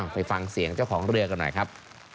ไปฟังเสียงเจ้าของเรือกันหน่อยครับ